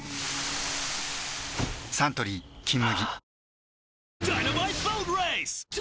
サントリー「金麦」